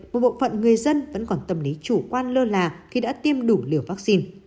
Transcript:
một bộ phận người dân vẫn còn tâm lý chủ quan lơ là khi đã tiêm đủ liều vaccine